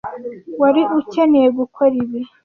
wari ukeneye gukora ibi. .